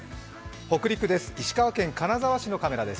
北陸です